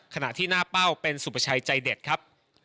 ขณะที่หน้าเป้าเป็นสุประชัยใจเด็ดครับ